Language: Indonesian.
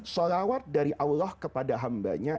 salawat dari allah kepada hambanya